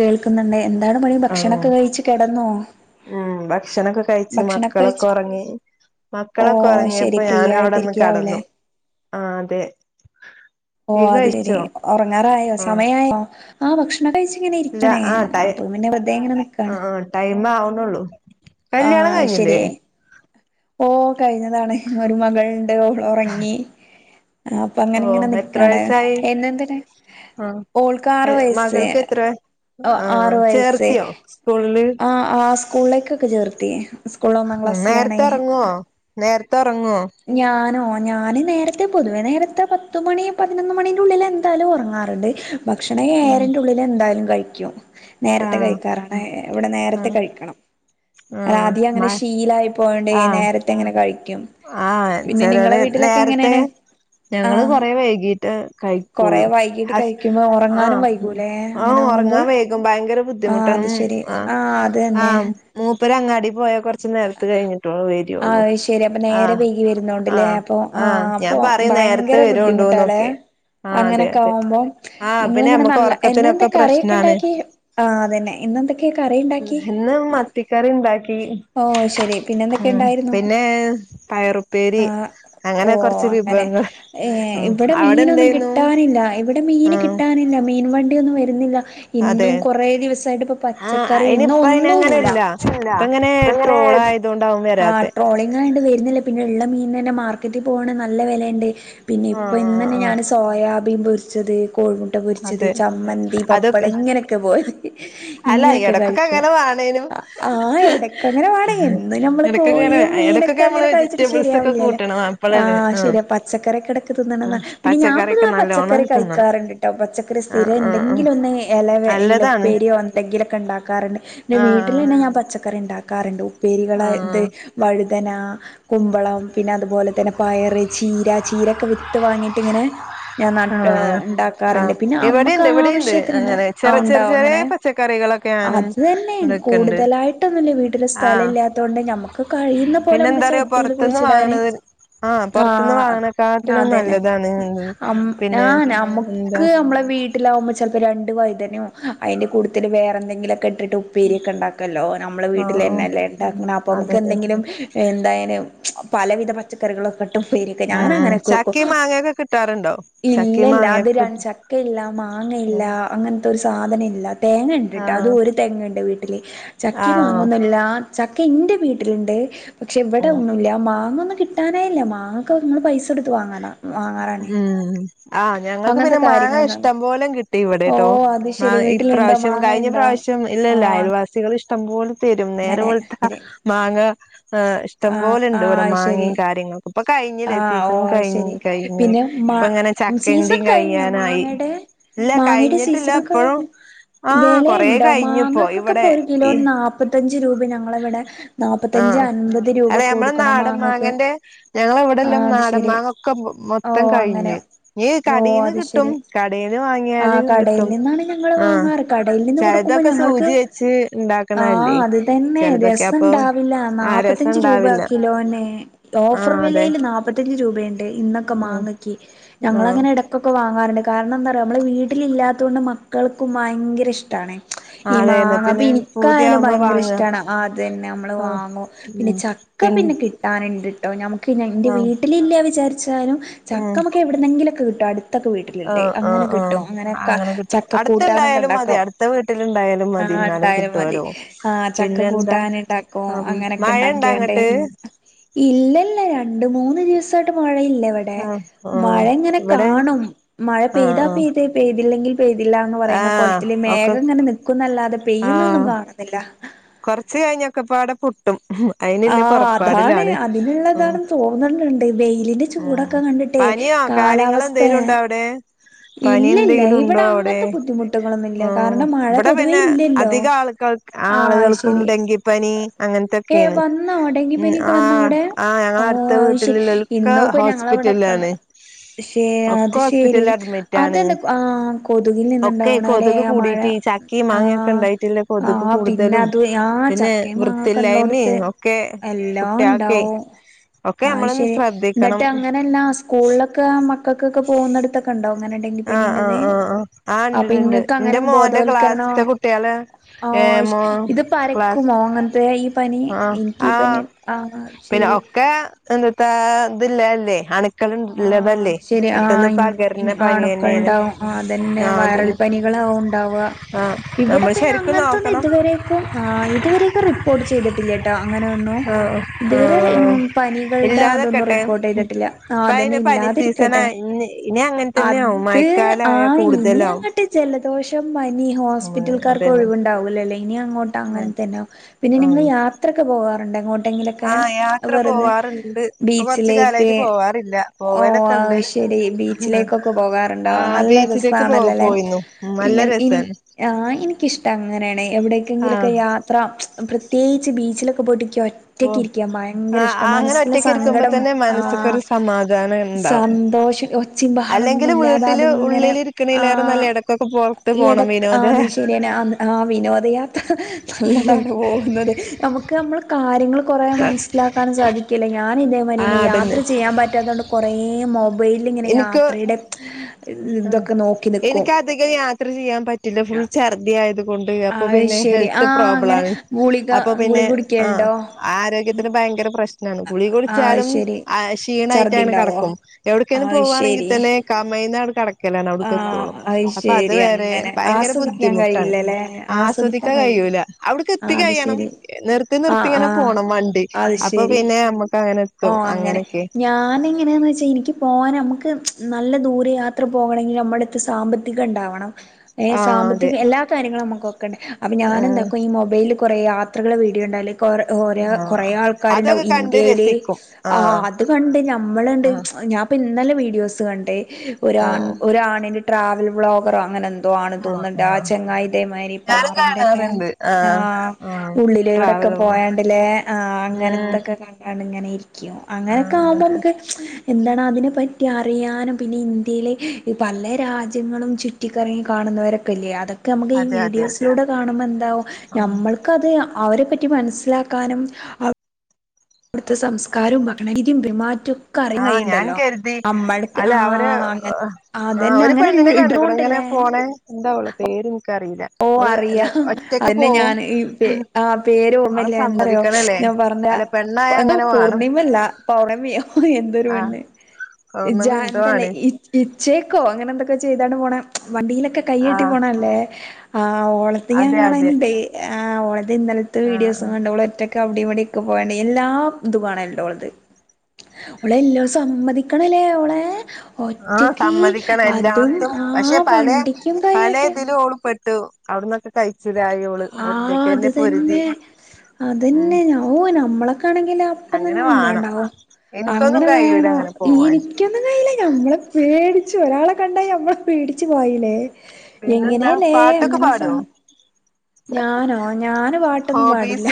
കേൾക്കുന്നുണ്ട് എന്താണ് പണി ഭക്ഷണൊക്കെ കഴിച്ചു കിടന്നോ ഉം ഭക്ഷണൊക്കെ കഴിച്ചു മക്കളൊക്കെ ഉറങ്ങി മക്കളൊക്കെ ഉറങ്ങിയപ്പോഞാനും അവിടന്ന് കടന്നു ആഹ് അതെ ഓഹ് അത് ശെരി ഉറങ്ങാറായോ സമയായോ ആഹ് ഭക്ഷണം കഴിച്ചങ്ങനെ ഇരിക്കണേ അപ്പൊ പിന്നെ വെറുതേ എങ്ങനെ നിക്കാണ് ടൈം ആവുന്നുള്ളൂ കല്യാണം കഴിഞ്ഞില്ലേ ഓ കഴിഞ്ഞതാണ് ഒരു മകൾണ്ട്അവള് ഉറങ്ങി ആ അപ്പൊ ഇങ്ങനെ ഇങ്ങനെ നിക്കണ് എന്നെന്തിന് ആ മകൾക്ക് എത്ര ആ ചേർത്തിയോ സ്കൂളിൽ ആ ആ സ്കൂളിലേക്കൊക്കെ ചേർത്തി സ്കൂളിൽ ഒന്നാം ക്ലാസ്സിലാണെ നേരത്തെ ഉറങ്ങോ ഞാനോ ഞാന് നേരത്തെ പൊതുവേ നേരത്തെ പൊതുവെ നേരത്തെ പത്തുമണി പതിനൊന്ന് മണിന്റെ ഉള്ളിൽ എന്തായാലും ഉറങ്ങാറുണ്ട് ഭക്ഷണം ഏഴരൻ്റെ ഉള്ളിൽ എന്തായാലും കഴിക്കും നേരത്തെ കഴിക്കാറാ ഇവിടെ നേരത്തെ കഴിക്കണം ആദ്യം അങ്ങനെ ശീലായി പോയണ്ട നേര എങ്ങനെ കഴിക്കും ആഹ് ചെലര് നേരത്തെ ഞങ്ങള് കൊറ വൈകിട്ട് കഴിക്കൊള്ളു അഹ് ആ ആഹ് ഉറങ്ങാൻ വൈകും ഭയങ്കര ബുദ്ധിമുട്ടണം ഉം ആ ആഹ് മൂപ്പര അങ്ങാടി പോയാൽ കുറച്ച് നേരത്ത് കഴിഞ്ഞിട്ടോവരുള്ളൂ ശെരി അപ്പൊ നേരെ വൈകി വരുന്നോണ്ട്ല്ലേ അപ്പൊ ആ അപ്പൊ ഭയങ്കര ബുദ്ധിമുട്ടല്ലേ അങ്ങനെയൊക്കെ ആകുമ്പോം നിങ്ങള് ഇങ്ങനെ നല്ല ഇന്ന് എന്ത കറിയൊക്കെ ഉണ്ടാക്കി ആഹ് അതന്നെ ഇന്നെ എന്തൊക്കെ കറിണ്ടാക്കി കറി ഉണ്ടാക്കി ആ പിന്നെ പയറുപ്പേരി ഓ അങ്ങനെ ഏ ഇവിടെ മീനൊന്നും കിട്ടാനില്ല ഇവിടെ മീന് കിട്ടൻ മീൻ വണ്ടിയൊന്നും വരുന്നില്ല ഇന്നും കുറേ ദിവസായിട്ട് ഇപ്പ പ ചക്കറി ഇന്ന് ഒന്നു ഇല്ല ആ ട്രോളി വരുന്നില്ല പിന്നെ ഇള്ള മീൻ തന്നെ മാർക്കറ്റ് പോവാണെ നല്ല വിലയുണ്ട് പിന്നെ ഇപ്പൊ ഇന്നെന്നെ ഞാൻ സ് സോയാബീൻ പൊരിച്ചത് കോഴിമുട്ട പൊരിച്ചത് ചമ്മന്തി പപ്പടം ഇങ്ങനെയൊക്കെ പോയത് ഇങ്ങനെയൊക്കെ കഴിക്ക ആഹ് എടക്ക അങ്ങനെ വേണ എന്നു നമ്മള് കോഴിയും മീനൊക്കെ അങ്ങനെ കഴിച്ചിട്ട് ശരിയാവില്ലല്ലെ ആഹ് ശരിയ പച്ചക്കറി കിടക്ക് തിന്നണം പിന്നെ ഞാൻ പതുവെ പച്ചക്കറി കഴിക്കാറുണ്ട് പച്ചക്കറി സ്ഥിരം എന്തെങ്കിലും ഒന്ന് ഇലവ ഇലപ്പേരിയോ എന്തെങ്കിലുക്കെ ഉണ്ടാക്കാറുണ്ട് എന്റെ വീട്ടിൽ തന്നെഞാ പച്ചക്കറി ഉണ്ടാക്കും റുണ്ട് ഉപ്പേരികള വഴുതന കുമ്പളം പിന്നെ അതുപോലെ തന്നെ പയറ് ചീര ചീരൊക്കെ വിത്ത് വാങ്ങിട്ട് ഇങ്ങനെ ഞാൻ ഉണ്ടാക്കാറുണ്ട് പിന്നെ അമ്മക്ക് ആവശ്യത്തിനള്ള ആ ഉണ്ടാവ അങ്ങനെ അത് തന്നെ കൂടുതലായിട്ടൊന്നുല്ല വീട്ടില് സ്ഥലലാത്തോണ്ട് നമ്മക്ക് കഴിയുന്ന പോലെ നമുക്ക് ചട്ടിൽ കുഴിച്ചിടാന് അതന്നെ ഞ നമക്ക് നമ്മളെ വീ വീട്ടിലാവുമ്പോ ചിലപ്പോ രണ്ട് വൈതനോ അയിന്റെ കൂട്ടത്തിൽ വേറെന്തങ്കിലുമൊക്കെ ഇട്ടിട്ട് പേരിയൊക്കെ ഉണ്ടാക്കല്ലോ നമ്മൾ വീട്ടിൽ തന്നെല്ലെ ഉണ്ടാക്കണെ അപ്പോൾ നമുക്ക് എന്തെങ്കിലും എന്തായാലും പലവിധ പ പച്ചക്കറികളൊക്കെ ഇട്ടും പ്പേരിക്കെ ഞാന അങ്ങനെക്കെ വെക്കും ഇല്ലല്ല അത് ചക്കയില്ല മാങ്ങയില്ല അങ്ങനത്തെ ഒരു സാധനം ഇല്ല തേങ്ങ ഇണ്ടട്ട് അത് ഒരു തേങ്ഉണ്ട് വീട്ടിൽ ചക്കി മാ ഇല്ല ചക്ക എൻ്റെ വീട്ടിലുണ്ട് പക്ഷെ ഇവിടെ ഒന്നുംല്ല മാങ്ങൊന്ന കി കിട്ടാനായില്ലേ മാങ്ങ ക്കെ നങ്ങള് പൈസടുത്ത് വാങ്ങാനാ ഉം ആഹ് ഞങ്ങൾക്ക് പിന്നെ മാങ്ങ ഇഷ്ടം പോലെ കിട്ടി ഇവിടെട്ടോ മാ ഇപ്രാവശ്യം കഴിഞ്ഞ പ്രവശ്യം. ഇല്ല ഇല്ല അയൽവാസികൾ ഇഷ്ടം പോലെ തരും നേരെ പോള് ത്തെ മാങ്ങ. ഇഷ്ടം പോലെണ്ട് ഇവിടെ മാങ്ങി കാര്യങ്ങളും ഇപ്പൊ കഴിഞ്ഞില്ലേ സീസൺ കഴിഞ്ഞു. കഴിഞ്ഞു ഇപ്പ ഇങ്ങനെ ചക്കന്റിം കഴിയാനായി ഇല്ല കഴിഞ്ഞിട്ടില്ല ഇപ്പഴും. വിലയുണ്ടോ മാങ്ങക്കൊക്കെ ഇപ്പൊ ഒരു കിലോ നാപ്പത്തഞ്ച് രൂപ ഞങ്ങളെ ഇവിടെ. നാപ്പത്തഞ്ച് അൻപത് രൂപ കൊടുക്കണം മാങ്ങക്ക് ഞങ്ങള ഇവിടെള്ള- നാടൻമാങ്ങഒക്കെ. മൊത്തം കഴിഞ്ഞു ഞ്ഞി കടയിൽന്ന് കിട്ടും, കടിന്ന് വാങ്ങിയല് കിട്ടും. ആഹ ചിലതൊക്കെ സൂചി വെച്ച് ഉണ്ടാക്ണ അല്ലേ, ചിലതൊക്കെ അപ്പോ - നാപ്പതജ് രൂപ കിലോന്, ഓഫർ വിലയില്. നപതഞ്ച് രൂപണ്ട് ഇന്നൊക്കെ- മാങ്ങക്ക് ഞനലങ്ങനെ. ഒക്കെ വാങ്ങാറുണ്ട് കാരണം എന്താ അറിയോ, നമ്മള് വീട്ടിലില്ലാത്തോണ്ട് മക്കൾക്കും ഭയങ്കര ഇഷ്ട്ടാണ്. ഈ മാങ്ങ അപ്പ എനികായാലും- ഭയങ്കര ഇഷ്ട്ടാണ് അത്ന്നെ നമ്മള് വാങ്ങും പിന്നെ ച- പിൻ - ണ്ട്ട്ടോ നമക്ക് എന്റെ വീട്ടിലില്ല- വിചാരിച്ചാലും ചക്കമ്മക്ക് എ- ഇവ്ട്ന്നെങ്കിലൊകെ കിട്ടും. അടുതൊക്കെ വീട്. അങ്ങനെ കിട്ടും അങ്ങനെ ചക്ക- കൂട്ടാനൊക്കെ ഉണ്ടാക്കും ആഹാ രണ്ട- മതി ആഹാ ചക്ക കൂട്ടാനിണ്ടാക്കും, അങ്ങനെയൊക്കെ ഉണ്ടാക്കിയണ്ട്. ഇല്ലല്ല രണ്ട് മൂന്ന് ദിവസമായിട്ട്- മഴയില്ലേ വ- മഴ ഇങ്ങനെ കാണും മഴ പെയ്താ, പെയ്ത. പെയ്തില്ലെങ്കിൽ പെയ്തില്ല എന്ന് പറയുന്ന കോൽത്തില് മേഘം- ഇങ്ങനെ നിക്കുന്നല്ലാതെ- പെയ്യുന്നൊന്നും കാണ- [unintelligible] കൊറച്ചു കഴിഞ്ഞ ഒക്കെപ്പാടെ- പൊട്ടും. ആഹാ അതാണ് അതിനുള്ളതാണ്- തോന്നണ്ടുണ്ട് വെയിലിന്റെ- ചൂടൊക്കെ കണ്ടി- കെ കാലാവസ്ഥ. ഇല്ലല്ല ഇവിടെ അങ്ങനത്തെ- ബുദ്ധിമുട്ടുകളൊന്നും ഇല്ല. കാരണം മഴ പൊതുവേ ഇല്ലല്ലോ? ആഹാ. ആഹ ശരി ഏ വന്ന അടെ? ടെങ്കിപ്പനിഒക്കെ വന്നോ അവിടെ? ഓ ആശെരി ഇന്ന്പ്പോ- ഞങ്ങളവിടെക്കാണ്. ശെ അത് ശെരി. അതന്തെ ആഹ് കൊതുകിൽ- നിന്ണ്ടാവുന്നതാലേ മഴ ആഹാ. കൊതുക് കൂടു. പിന്നെ അത് ആഹാ ചക്കിം- മാങ്ങിമം കലോടുത്ത് എല്ലാം- ഉണ്ടാവും. ആഹ ശരി എന്നിട്ട് അങ്ങനെയല്ല സ്കൂളിലൊക്കെ, മക്കൾക്കൊക്കെ പോകുന്നിടത്തൊക്കെ. അങ്ങനെ ഡെങ്കിപനീണ്ടത്, അപ്പോ ഇങ്ങക്ക് അങ്ങനെ- ബോധവൽക്കരണോ. ഓ ഇത് പനിക്കോ? ഇങ്ങനത്തെ ഈ പനി എനിക്ക്പനി. ആഹ ആ ശെരി. എന്തട്ടാ ഇതി ല്ലതല്ലേ അണുക്കള ഉള്ളതല്ലേ പെട്ടന്ന് പകരന- ആണുക്കൾ ഉണ്ടാവും, അതന്നെ വയറൽ പനികളാണ്‌ ഉണ്ടാവ. ഇവിടെ പിന്നെ അങ്ങനത്തത്തൊന്നും, ഇതുവരേക്കും ഇതുവരേക്കും റിപ്പോർട്ട് ചെയ്തിട്ടില്ല. ഇല്യട്ടോ അങ്ങനൊന്നും, ഇതുവരെ പണികൾടെ ഒന്നും റിപ്പോർട്ട് ചെയ്തിട്ടില്ല. ആഹാ. അതന്നെ ഇല്ലാതിരിക്കട്ടെ അത്- ആയി നീ അങ്ങട്ട്. ജലദോഷം, പനി, ഹോസ്പിറ്റൽക്കാർക്ക് ഒഴിവുണ്ടാവൂലല്ലേ ഇനി അങ്ങോട്ട്. അങ്ങനെ തന്നെയ പിന്നെ നിങ്ങ- യാത്രൊക്കെ പോകാറുണ്ടോ? എങ്ങോട്ട- ങ്കിലൊക്കെ വെർതെ- ബീച്ചിലേക്ക്. ഓ ശരി ബീച്ചിലേക്കൊക്കെ- പോകാറുണ്ടോ നല്ല- രസമാണല്ലോല്ലെ? ഇനി ആഹാ എനിക്കിഷ്ടം- അങ്ങനെണ് എവിടെക്കെങ്കിലൊക്കെയാ- ത്ര പ്രത്യേകിച്ച് ബീച്ചിലൊക്കെ പോയിട്ട് ക്ഒറ്റ- റ്റക്കെക്കെ ഇരികാൻ ഭയങ്കര ഇഷ്ട, മനസിലെ സങ്കടം ആഹാ. സന്തോഷം ഒച്ചിംമ്പഹളൊന്നുല്ലാതെ, അത് ഇങ്ങനെ ആഹാ. ഇട ആത് ശരിയന്നെ ആഹാ, വിനോദയാത്ര നല്ലതാണ്- പോകുന്നത്. നമുക്ക്- നമുക്ക് നമ്മള കാര്യങ്ങൾ കുറേ- മനസ്സിലാക്കാനും സാധിക്കില്ല- ഞാനും ഇതേമാതിരിന്നെ യാത്ര- ചെയ്യാൻ പറ്റാത്തത കൊണ്ട്. കുറേ മൊബൈലിങ്ങനെ- യാത്രയുടെ- ആഹാ എനക്ക് അധികം യാത്ര ചെയ്യാൻ പറ്റില്ല, ഫുൾ ഛർഥി ആയതു - കൊണ്ട് അപ്പോ പിന്നെ ഹെൽത്ത് പ്രോബ്ല ആണ്. അപ്പോ പിന്നെ ആഹാ, ആരോഗ്യത്തിന് ഭയങ്കര പ്രശ്നമാണ്. ഗുളിക കുടിച്ചാലും ക്ഷീണായിട്ടങ്ങനെ കിടക്കും. എവിടക്കേലും പോവാണെങ്കിൽ തന്നെ കമഴ്ന്ന് കെ കെടക്കലാണ് അവിടുക്ക് എത്തുവോളം, അപ്പൊ അത് വേറെ ഭയങ്കര ബുദ്ധിമുട്ടാണ് ആസ്വദിക്കാൻ കഴിയൂല, അവിടക്ക് എത്തി കഴിയണം, നിർത്തി നിർത്തി ഇങ്ങനെ പോണം വണ്ടി അപ്പൊ പിന്നെ നമ്മുക്ക് അങ്ങനെ ഓഹ് അങ്ങനെ ഞാന് എങ്ങനെയാന്ന് വെച്ചാൽ എനിക്ക് പോകാൻ നമുക്ക് നല്ല ദൂരെ യാത്ര പോകണമെങ്കി നമ്മള് ക്ക് സാമ്പത്തികം ഉണ്ടാവണം ഏഹ് സാമ്പത്തിക എല്ലാ കാര്യങ്ങളും നമുക്ക് നോക്കണ്ടേ, അപ്പൊ ഞാന് എന്താക്കും ഈ മൊബൈല കുറേ യാത്രകളുടെ വീഡിയോയുണ്ടല്ല കുറെ ആൾക്കാരുണ്ടാവും, ഇന്ത്യയിലെ ആഹ് അത് കണ്ട് ഞമ്മളണ്ട് ഞാൻപ്പ ഇന്നലെ വീഡിയോസ് കണ്ടേ ഒരാണ്, ഒരു ആണിന്റെ, ട്രാവൽ ബ്ലോഗറോ അങ്ങനെ എന്തോ ആണ് തോന്നിണ്ട്. ആ ചെങ്ങായി ഇതേമാതിരി പാറന്റെക്ക ആഹ് ഉള്ളിലൂടൊക്കെ പോയാണ്ടല്ലേ ആഹ് അങ്ങനത്തൊക്കെ കാ കണ്ടിങ്ങനെ ഇരിക്കും. അങ്ങനെയൊക്കെ ആവുമ്പോ നമുക്ക് എന്താണ് അതിനെപ്പറ്റി അറിയാനും പിന്നെ ഇന്ത്യയിലെ പല രാജ്യങ്ങളും ചു ചുറ്റിക്കറങ്ങി കാണുന്നവരൊക്കെല്ലേ, അതൊക്കെ നമുക്ക് ഈ വീഡിയോസിലൂടെ കാണുമ്പോൾ എന്താവും നമ്മൾ ക്കത് അവരെ പറ്റി മനസിലാക്കാനും അ അവിടുത്തെ സംസ്കാരവും ഭക്ഷണ രീതിയും പെരുമാറ്റവും ക്കറിയാൻ കയ്യ്ണ്ടല്ലോ അമ്മക്ക് ആഹ് അങ്ങ അതന്നെ അങ്ങനെ ഇടുന്നോട്ണ്ടല്ലേ ഓളെ, എന്താ ഓളെ പേര് നിക്കറിയൂല ഓഹ് അറിയാം അതിനെ ഞാൻ ഈ ആ പേര് ഓർമ്മല്ല എന്താറിയോ ഞാൻ പറഞ്ഞാ എന്താ പൂർണിമല്ല പൗർണമിയോ ഓഹ് എന്തൊരു പെണ്ണ്, ഇജ്ജാതല്ലേ ഈ ഇച്ചേക്കോ അങ്ങനെ എന്തൊക്കെ ചെയ്തണ്ട് പോണ വണ്ടിയിലൊക്കെ കൈയ്യാട്ടി പോണല്ലേ ആഹ് ഓള അത് ഞാൻ കാണലുണ്ട്, ഓളടെ ഇന്നലത്തെ വീഡിയോസ് കണ്ടാ, ഓള് ഒറ്റ ക്ക് അവിടവിടെയൊക്കെ പോവ്ണ്ട്. എല്ലാതും കാണൽലുണ്ട് ഓളത് ഓളെ എല്ലാം സമ്മതിക്കണല്ലേ ഓളെ ആഹ് സമ്മതിക്കണം എല്ലാടത്തും പക്ഷെ പലെ പലെതിലും ഓളു പെ ട്ടു, അവിടന്നൊക്കെ കഴിച്ചില്ലയോള് ഒറ്റക്കന്നെ പൊരുതി ഉം ഓഹ് നമ്മളൊക്കെ ആണെങ്കിൽ അപ്പം തന്നെ ഇല്ലണ്ടാവും. അങ്ങനെ വേണം ഈനി നിക്കൊന്നുംകയ്യൂല നമ്മള് പേടിച്ച് ഒരാളെ കണ്ടായി നമ്മള് പേടിച്ച പായൂലെ എങ്ങനെയല്ലേ അങ്ങനെ സാ ഞാനോ ഞാന് പാട്ടൊന്നും പാടില്ല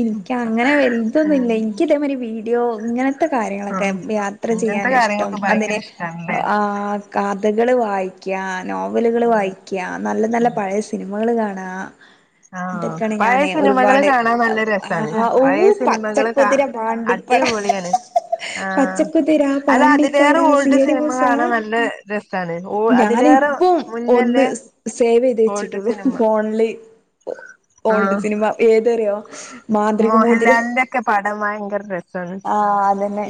എനിക്ക് അങ്ങനെ വലുതൊന്നുംല്ല എനിക്ക് ഇതേമാരി വീഡിയോ ഇങ്ങനെ ത്തെ കാര്യങ്ങളൊക്കെ യാത്ര ചെയ്യാൻ ഇഷ്ടം, അങ്ങനെ ആ കഥകള് വായിക്കുക, നോവലുകള് വായിക്കുക, നല്ല നല്ല പഴയ സിനിമ കള് കാണുക ഇതൊക്കെയാണ് ഞാനെ ഒരുപാട്, ആവൂ പച്ചക്കുതിര, പാണ്ടി അടിപൊളിയാണ് Pachakuthira, Pandippada, C I D Moosa ഞാനിപ്പം ഒന്ന് സേവ് ചെയ്ത് വെച്ചിട്ടുള്ളൂ ഫോണില് ഓൾടെ സിനിമ, ഏതറിയോ മോഹൻലാലിന്റെ ഒക്കെ പടം ഭയങ്കര രസ സാണ്.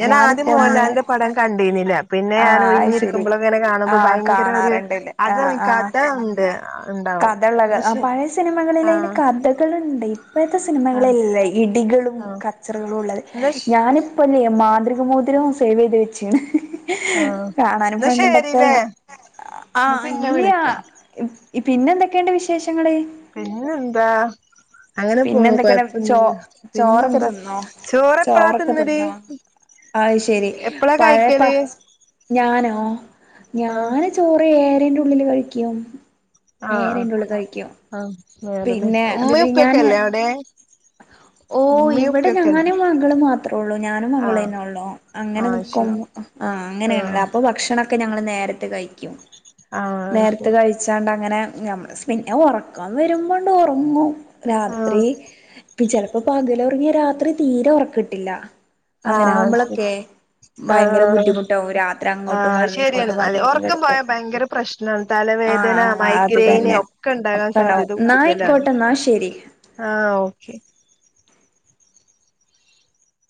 ഞാൻ ആദ്യം മോഹൻലാലിന്റെ പടം കണ്ടിന്നില്ല, പിന്നെ ഞാൻ ഒഴിഞ്ഞിരി കുമ്പള് ഇങ്ങനെ കാണുമ്പോ ഭയങ്കര ഒരു അതിൽ കഥ ഉണ്ട് ഉണ്ടാവും സിനിമകളില് അയിന് കഥകള്ണ്ട് ഇപ്പഴത്തെ സിനിമകളല്ലേ ഇടികളും കച്ചറകളും ഉള്ളത് ഞാനിപ്പല്ലേ മാന്ത്രിക മോതിരവും സേവ് ചെയ്ത് വെച്ച്ണ് കാണാന് പണ്ടത്തെ ആഹ് ഇനിയാ പിന്നെ എന്തൊക്കെയുണ്ട് വിശേഷങ്ങള് പിന്നെന്താ അങ്ങനെ പോണു കൊഴപ്പൊന്നുല്ല. പിന്നെന്താ ചോറെപ്പളാ തിന്നല് എപ്പളാ കഴിക്കല് ഞാനോ ഞാന് ചോറ് ഏഴരൻ്റെ ഉള്ളില് കഴിക്കും, ഏഴന്റെ ഉള്ള് കഴിക്കും ആഹ് അങ്ങനെയായിരുന്ന് ഉമ്മയും ഉപ്പയൊക്കെല്ലേ അവിടെ ഓഹ് ഇവിടെ ഞാനും മകളും മാത്രൊള്ളൂ ഞാനും മകളന്നെ ഒള്ളൂ അങ്ങനെ നിക്കും ആഹ് അങ്ങനെയാണല്ലേ അപ്പൊ ഭക്ഷണൊക്കെ ഞങ്ങള് നേരത്തെ കഴിക്കും. നേരത്തെ കഴി ച്ചാണ്ട് അങ്ങനെ ഞ പിന്നെ ഒറക്കം വരുമ്പണ്ട് ഒറങ്ങും രാത്രി ചെലപ്പോ പകലൊറങ്ങിയാ രാത്രി തീരെ ഒറക്ക് കിട്ടില്ല. അങ്ങനാകുമ്പളൊക്കെ ഭയങ്കര ബുദ്ധിമുട്ടാവും രാത്രി അങ്ങോട്ടും മറിഞ്ഞ് ഇങ്ങോട്ടും മറിഞ്ഞ് അങ്ങനെ കെടക്കും പ്രശ്നം തലവേദന മൈഗ്രീന് ഒ ഒക്കണ്ടാവാൻ സാധ്യത കൂടുതലാണ്. ആഹ് ഓക്കെ